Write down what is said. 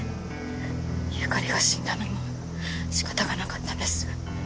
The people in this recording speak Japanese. ユカリが死んだのも仕方がなかったんです。